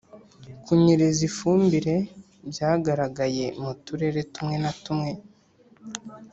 Kunyereza ifumbire byagaragaye mu Turere tumwe na tumwe